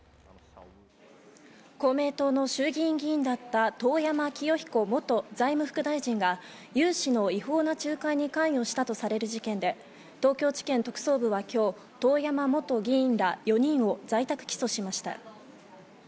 公明党の衆議院議員だった遠山清彦元財務副大臣が融資の違法な仲介に関与したとされる事件で、東京地検特捜部は今日、遠山元議員ら４人を在宅起訴しました。